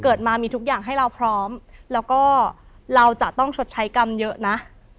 เกิดมามีทุกอย่างให้เราพร้อมแล้วก็เราจะต้องชดใช้กรรมเยอะนะ